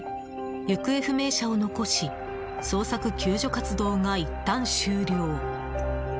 行方不明者を残し捜索救助活動がいったん終了。